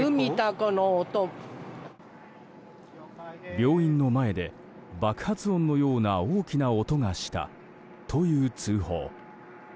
病院の前で爆発音のような大きな音がしたという通報。